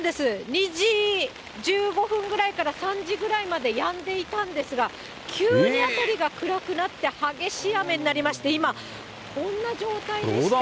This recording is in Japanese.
２時１５分ぐらいから３時ぐらいまでやんでいたんですが、急に辺りが暗くなって、激しい雨になりまして、今、こんな状態でして。